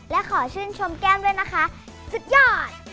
และขอชื่นชมแก้มด้วยนะคะสุดยอด